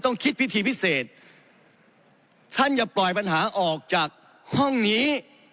ต้องคิดพิธีพิเศษท่านอย่าปล่อยปัญหาออกจากห้องนี้